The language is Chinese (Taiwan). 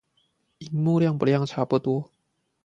螢幕亮不亮差不多